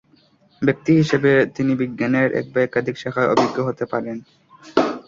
ব্যক্তি হিসেবে তিনি বিজ্ঞানের এক বা একাধিক শাখায় অভিজ্ঞ হতে পারেন।